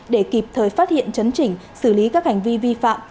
để kịp thời phát hiện chấn chỉnh xử lý các hành vi vi phạm